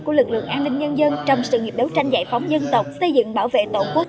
của lực lượng an ninh nhân dân trong sự nghiệp đấu tranh giải phóng dân tộc xây dựng bảo vệ tổ quốc